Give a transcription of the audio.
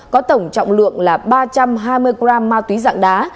có tổng trọng lượng là ba trăm hai mươi gram ma túy dạng đá